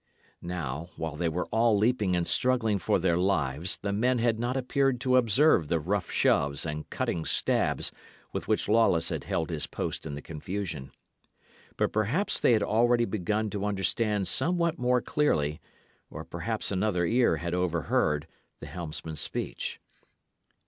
Now, while they were all leaping and struggling for their lives, the men had not appeared to observe the rough shoves and cutting stabs with which Lawless had held his post in the confusion. But perhaps they had already begun to understand somewhat more clearly, or perhaps another ear had overheard, the helmsman's speech.